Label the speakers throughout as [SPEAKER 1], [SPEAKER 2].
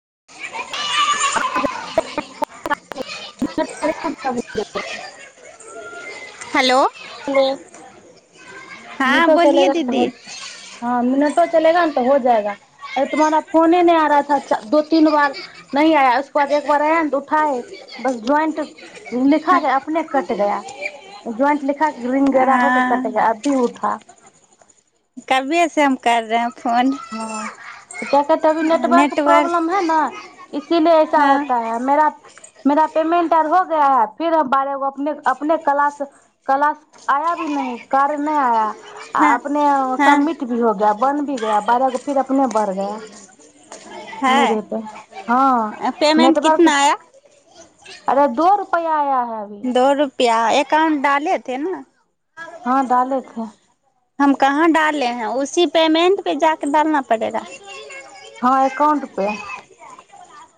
[SPEAKER 1] [unintelligible]
[SPEAKER 2] [unintelligible]
[SPEAKER 1] hello
[SPEAKER 2] hello मे
[SPEAKER 1] हाँ
[SPEAKER 2] तो
[SPEAKER 1] बोलिए
[SPEAKER 2] चलेगा
[SPEAKER 1] दीदी
[SPEAKER 2] बहुत हाँ मिनट [unintelligible] चलेगा ने तऽ हो जाएगा अरे तुम्हारा फोन नहि आ रहा था दो तीन बार न आया उसके बाद एक बार आया ने त उठाए बस ज्वाइंट लिखा के अपने कट गया ज्वाइंट लिखा के [unintelligible] हा [inaudible]
[SPEAKER 1] हाँ कभी से हम कर रहे फोन
[SPEAKER 2] हँ क कहते अभी नेटवर्क प्रॉब्लम है न इसीलिए ऐसा
[SPEAKER 1] हाँ
[SPEAKER 2] होता है मेरा मेरा पेमेंट आर हो गया है फिर बारेगो अपने अपने क्लास क्लास आया भी नहि कार्य नहि आया है
[SPEAKER 1] हाँ
[SPEAKER 2] अपने
[SPEAKER 1] हाँ
[SPEAKER 2] सम्मिट भी हो गया बन भी गया [unintelligible]
[SPEAKER 1] है
[SPEAKER 2] मेरेपे हाँ
[SPEAKER 1] पेमेंट
[SPEAKER 2] नेटवर्क
[SPEAKER 1] कितना आया
[SPEAKER 2] अरे दो रुपैया आया है अभी
[SPEAKER 1] दौर [unintelligible] क्या एकाउंट डालेथे ने
[SPEAKER 2] हँ डालेथे
[SPEAKER 1] हम कहाँ डाले हैं उसी पेमेंट पे जाकेऽ डालना पड़ेगा
[SPEAKER 2] हँ एकाउंट पे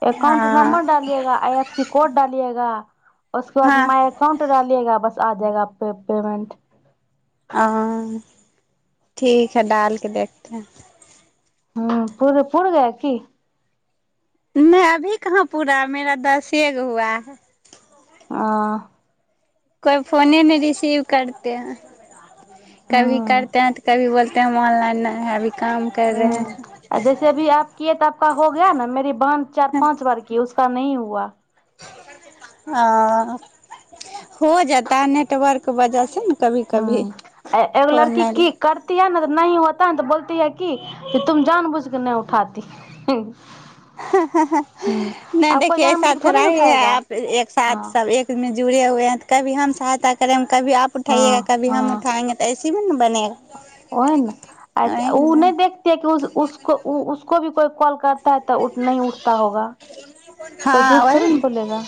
[SPEAKER 2] एकाउंट
[SPEAKER 1] हाँ
[SPEAKER 2] नंबर डालियेगा कोड डालिएगा उसके बाद
[SPEAKER 1] हाँ
[SPEAKER 2] माय काउंटर डालियेगा बस आ जाएगा पेमन्ट
[SPEAKER 1] आ ठीक हइ डाल केऽ देखते हैं
[SPEAKER 2] ह पूर गया कि
[SPEAKER 1] नहि अभी कहाँ पूरा मेरा दसे गो हुआ है
[SPEAKER 2] आ
[SPEAKER 1] कोइ फोने नहि रिसीव करते है कभी
[SPEAKER 2] ह
[SPEAKER 1] करते हैं तऽ कभी बोलते ऑनलाइन नहि है अभी काम कर रहे हैं
[SPEAKER 2] ह जैसे अभी आप कि तऽ आपका हो गया न मेरी बहन चार पाँच बार कि उसका नहि हुआ
[SPEAKER 1] ह हो जाता नेटवर्क वजह से ने
[SPEAKER 2] ह एगो लड़की की करती है ने तऽ न होता ह तऽ बोल त बोलति है की तुम जान बुझकेँ नहि उठाती
[SPEAKER 1] हँ
[SPEAKER 2] ह
[SPEAKER 1] हंँनहि
[SPEAKER 2] आपको
[SPEAKER 1] देखियऔ
[SPEAKER 2] जानबूझ
[SPEAKER 1] ऐसा
[SPEAKER 2] के थोड़ी
[SPEAKER 1] थोड़ा
[SPEAKER 2] न
[SPEAKER 1] ही है
[SPEAKER 2] उठाएगा
[SPEAKER 1] आ एक साथ
[SPEAKER 2] हँ
[SPEAKER 1] सब एकमे [unintelligible] जुड़े हु हइ तऽ कभी हम सहायता करैब कभी आप उठाइएगा
[SPEAKER 2] हँ
[SPEAKER 1] कभी हम
[SPEAKER 2] हँ
[SPEAKER 1] उठाएंगे की हम उठाएंगे सब ने बने [unintelligible]
[SPEAKER 2] [unintelligible] कॉल करता है तऽ उठ नहि उठता होगा कोई
[SPEAKER 1] हँ
[SPEAKER 2] झूठ थोड़ी न
[SPEAKER 1] वही
[SPEAKER 2] बोलेगा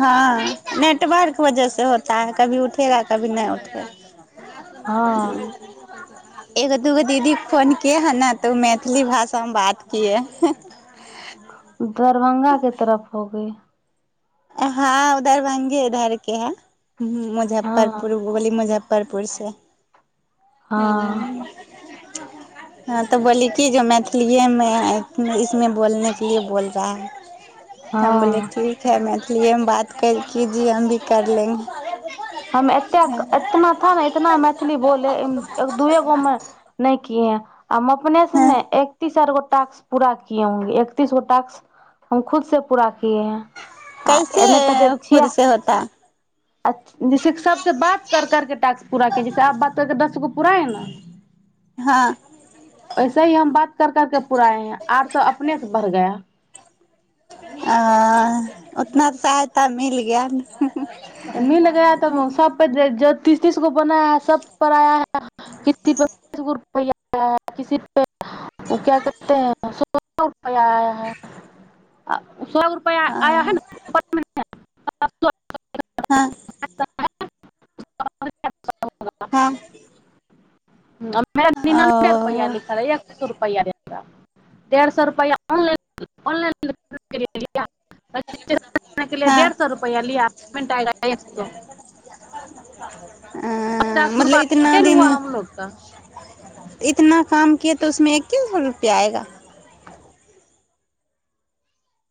[SPEAKER 1] हँ नेटवर्क वजह से होता है कभी उठेगा कभी नहि उठे
[SPEAKER 2] हँ
[SPEAKER 1] [inaudible] एगो दूगो दीदी फोन किए हन न तऽ मैथिली भाषामे बात किए
[SPEAKER 2] [inaudible] दरभंगा के तरफ होगी
[SPEAKER 1] हँ उधर दरभंगे उधरके है ह मुजफ्फरपुर
[SPEAKER 2] हाँ
[SPEAKER 1] बोली मुजफ मुजफ्फरपुर से हू
[SPEAKER 2] हाँ
[SPEAKER 1] हँ तऽ बोली कि जे मैथिलीएमे इसमे बोलनेके लिए बोल रहा है हम बोले
[SPEAKER 2] हाँ
[SPEAKER 1] ठीक है मै इसलिए हम बात कर किजीए हम भी कर लेंगे
[SPEAKER 2] हम एतेक इतना थ ने इतना मैथिली बोले एक दूए गो मे नहि किए है हम अपने से
[SPEAKER 1] हँ
[SPEAKER 2] ने एकतीस आार गो टास्क पूरा किये होंगे एकतीस गो टक्स हम खुद से पूरा किये
[SPEAKER 1] कैसे
[SPEAKER 2] है नहि तऽ जे्
[SPEAKER 1] खुद
[SPEAKER 2] छीया
[SPEAKER 1] से होता
[SPEAKER 2] जैसे सबसे बात कर करके टाक्स पूरा किजिए जैसे आज बात करके दस गो पूराये है न
[SPEAKER 1] हँ
[SPEAKER 2] वैसे ही हम बात कर करके पुराए हैं आठ सए अपने से बढ़ गया
[SPEAKER 1] ह उतना सहायता मिल गया
[SPEAKER 2] मिल गया तो सब पे [unintelligible] तीस तीस गो बनाया है सब पर आया है किसी पे बीस गो रुपआ आया है किसी पे ओ क्या कते है सोल रुपआ आया है [unintelligible] सए रुपैआ आय है
[SPEAKER 1] हँ
[SPEAKER 2] ने [unintelligible]
[SPEAKER 1] हँ
[SPEAKER 2] [unintelligible]
[SPEAKER 1] हँ
[SPEAKER 2] ह [unintelligible] मे निनानबे रुपैआ
[SPEAKER 1] ओ
[SPEAKER 2] लिखल है एक सए रुपैआ डेढ़ सए रुपआ ऑनऑनलाईन ऑनऑनलाईन [unintelligible] रजिस्ट्रेशन के लिए
[SPEAKER 1] हँ [unintelligible]
[SPEAKER 2] सौ रुपया लिया पेमेंट आएगा एक सौ
[SPEAKER 1] आ [inaudible]
[SPEAKER 2] पचास
[SPEAKER 1] अ मतलब
[SPEAKER 2] रुपया
[SPEAKER 1] इतना
[SPEAKER 2] घटे ना
[SPEAKER 1] दिन
[SPEAKER 2] हुआ हम लोग का
[SPEAKER 1] इतना काम किया तोसमे एे सए रुपैआएगा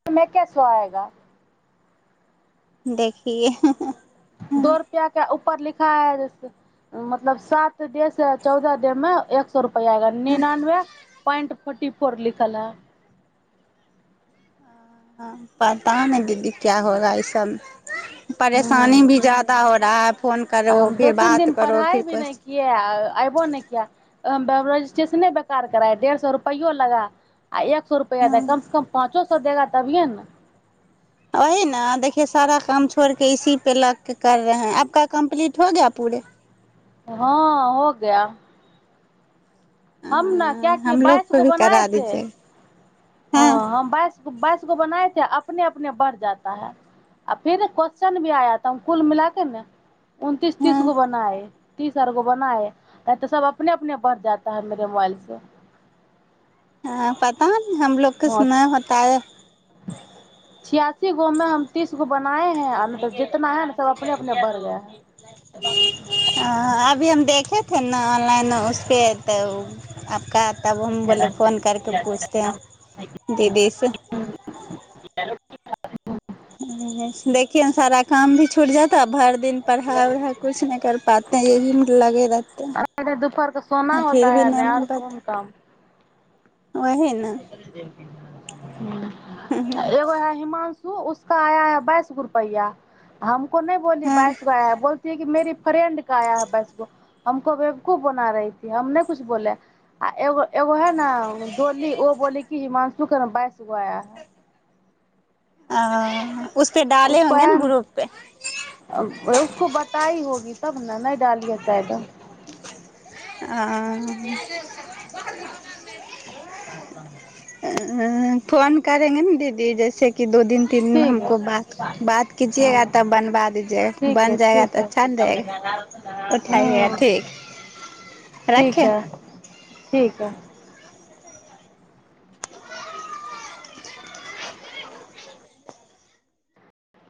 [SPEAKER 2] तमें क्य सो आएगा
[SPEAKER 1] देखिये
[SPEAKER 2] पर लिखा है मतलब सात दे से चौदह देह में एक सए रुपआग निनानबे पॉइंट फोर्टी फोर लिखल है
[SPEAKER 1] पता ने दीदी क्या होगा ई सब परेशानी
[SPEAKER 2] हम्म
[SPEAKER 1] भी ज्यादा हो रहा है फोन करो
[SPEAKER 2] हम दो
[SPEAKER 1] फिर
[SPEAKER 2] तीन
[SPEAKER 1] बात
[SPEAKER 2] दिन
[SPEAKER 1] करो फिर
[SPEAKER 2] पढ़ाई भी नहि
[SPEAKER 1] कोछ
[SPEAKER 2] किए आ अयबो नहि किया रजिस्ट्रेशने बेकार कराये डेढ़ सए रुपैयो लगा आ एक सए रुपैआ दै कम से कम पाँचो सौ देगा तभीये ने
[SPEAKER 1] ओही ने देखिये सारा काम छोड़के इसी पे लग के कर रहे हैं आबका कम्प्लीट हो गया पूरे
[SPEAKER 2] हँ हो गया
[SPEAKER 1] हाँ
[SPEAKER 2] हम ने क्या किये
[SPEAKER 1] हम लोग
[SPEAKER 2] बाइस
[SPEAKER 1] को
[SPEAKER 2] गो
[SPEAKER 1] भी करा
[SPEAKER 2] बनाएथे
[SPEAKER 1] दीजिए हाँ
[SPEAKER 2] हँ बाइस बाइस गो बनाएे अपने अपने बढ़ जाता है आ फिर क्वस््चन भी आयता कुल मिल के ने उनतीस तीस
[SPEAKER 1] हाँ
[SPEAKER 2] गो बनाए तीस आर गो बनाये है तऽ सब अपने अपने बढ़ जात है मेरे मोबाइलसँ
[SPEAKER 1] हँ पता हमलोग किछ नहि होता है
[SPEAKER 2] छियासी गो मे हम तीस गो बनाए है आ मतलब तऽना हन सब अपने अपने बर गया
[SPEAKER 1] ठे ने ऑनलाइन उसपे तऽ आपका तब हम बोले फोन करके पूछते है दीदी से
[SPEAKER 2] [unintelligible]
[SPEAKER 1] देखिय ने सारा काम भी छुटि जाता भरि दिन पढ़ाइ उढ़ाइ कुछ नहि कर पाते एही में लगे रहते
[SPEAKER 2] अरे दोपहर का सोना होता
[SPEAKER 1] फिर भी
[SPEAKER 2] है
[SPEAKER 1] नहि
[SPEAKER 2] न
[SPEAKER 1] मन
[SPEAKER 2] और
[SPEAKER 1] पे
[SPEAKER 2] कौन काम एगो है हिमांशु उसका आया है बाइस गो रुपैआ हम को नहि बोली
[SPEAKER 1] हाँ
[SPEAKER 2] बाइस गो आया बोलती कि मेेरी फ्रेंड क आया है बाइसगो हमको बेवकूफ बना रही थी हम ने कुछ बोले आ एगो एगो है ने ली ओ बोली कि हिमांशु क न बाइसगो आया है
[SPEAKER 1] आ
[SPEAKER 2] उसको मेम उसको बताई होगी तब न नहि डालि है शायद
[SPEAKER 1] आ
[SPEAKER 2] [inaudible] [unintelligible]
[SPEAKER 1] फोन करेंगे ने दीदी जैसे दू दिन तीन दिनमे
[SPEAKER 2] ठीक है
[SPEAKER 1] हमको बात बात कीजएगा
[SPEAKER 2] हँ
[SPEAKER 1] तब बनबा दीजएगा
[SPEAKER 2] ठीक है
[SPEAKER 1] बन जाएगा
[SPEAKER 2] ठीक
[SPEAKER 1] तऽ
[SPEAKER 2] है
[SPEAKER 1] अच्छा न रहेगा उठाइएगा
[SPEAKER 2] हूँ
[SPEAKER 1] ठीक
[SPEAKER 2] ठीक
[SPEAKER 1] रखें
[SPEAKER 2] है ठीक है